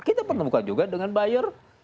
kita pertemukan juga dengan buyer